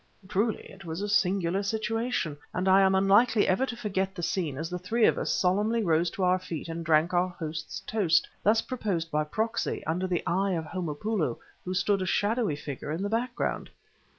Truly it was a singular situation, and I am unlikely ever to forget the scene as the three of us solemnly rose to our feet and drank our host's toast, thus proposed by proxy, under the eye of Homopoulo, who stood a shadowy figure in the background.